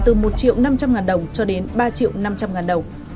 từ một triệu năm trăm linh ngàn đồng cho đến ba triệu năm trăm linh ngàn đồng